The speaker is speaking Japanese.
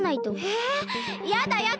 えやだやだ！